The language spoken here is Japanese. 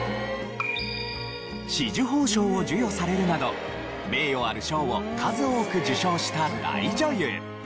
紫綬褒章を授与されるなど名誉ある賞を数多く受賞した大女優。